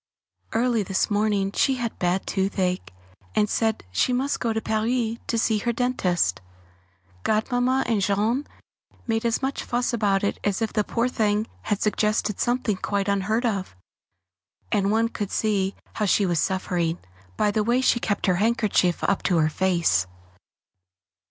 Early this morning she had bad toothache, and said she must go to Paris to see her dentist Godmamma and Jean made as much fuss about it as if the poor thing had suggested something quite unheard of; and one could see how she was suffering, by the way she kept her handkerchief up to her face.